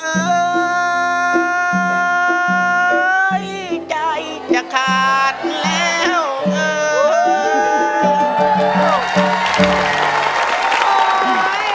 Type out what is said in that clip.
เอ่ยใจจะขาดแล้วเอ่ย